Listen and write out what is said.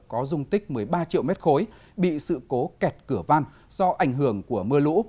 có dung tích một mươi ba triệu m ba bị sự cố kẹt cửa văn do ảnh hưởng của mưa lũ